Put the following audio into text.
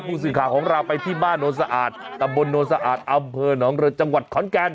ผู้สื่อข่าวของเราไปที่บ้านโน้นสะอาดตำบลโนนสะอาดอำเภอหนองเรือจังหวัดขอนแก่น